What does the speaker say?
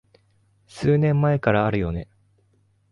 数年前からあるよね